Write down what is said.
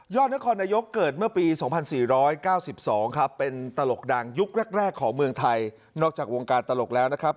นครนายกเกิดเมื่อปี๒๔๙๒ครับเป็นตลกดังยุคแรกของเมืองไทยนอกจากวงการตลกแล้วนะครับ